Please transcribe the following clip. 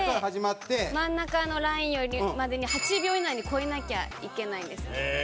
広瀬：真ん中のラインまでに８秒以内に越えなきゃいけないんですね。